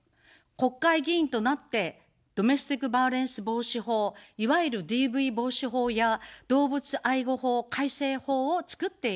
国会議員となって、ドメスティックバイオレンス防止法、いわゆるＤＶ防止法や動物愛護法改正法をつくってきました。